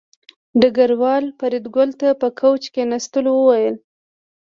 ډګروال فریدګل ته په کوچ د کېناستلو وویل